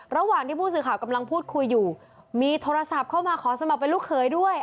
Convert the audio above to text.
ระหว่างที่ผู้สื่อข่าวกำลังพูดคุยอยู่มีโทรศัพท์เข้ามาขอสมัครเป็นลูกเขยด้วย